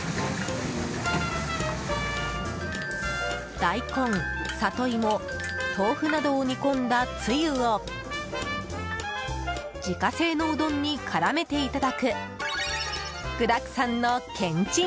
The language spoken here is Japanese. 大根、サトイモ、豆腐などを煮込んだつゆを自家製のうどんに絡めていただく具だくさんのけんちん